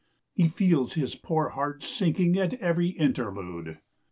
He feels his poor heart sinking at every interlude.